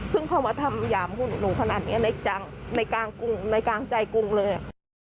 ซึ่งเขามาทำหย่ามหนูอยู่ขนาดนี้นายจังในกลางกรุงในกลางใจกรุงเลย